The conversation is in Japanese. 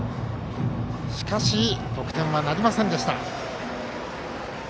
しかし、得点はなりませんでした。